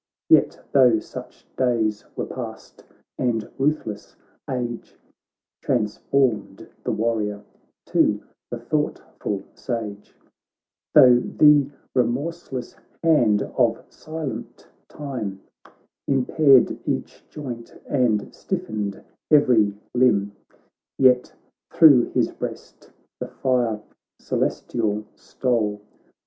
Yet tho' such days were past, and ruth less age Transformed the warrior to the thought ful sage ; Tho' the remorseless hand of silent time Impaired each joint and stiffened every limb; Yet thro' his breast the fire celestial stole.